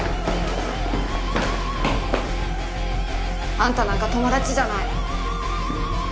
あんたなんか友達じゃない。